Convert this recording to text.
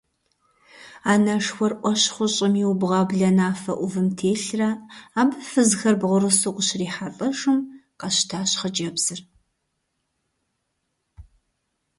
Анэшхуэр Ӏуэщхъуу щӀым иубгъуа бланэфэ Ӏувым телърэ, абы фызхэр бгъурысу къыщрихьэлӀэжым, къэщтащ хъыджэбзыр.